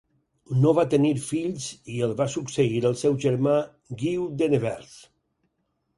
No va tenir fills i el va succeir el seu germà Guiu de Nevers.